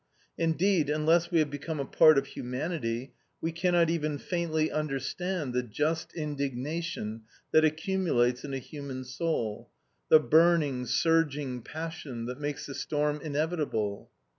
Indeed, unless we have become a part of humanity, we cannot even faintly understand the just indignation that accumulates in a human soul, the burning, surging passion that makes the storm inevitable.